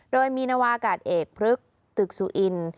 โดยมีนวากาศเอกพฤกษ์ตึกสุอิน